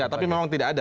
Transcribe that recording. ya tapi memang tidak ada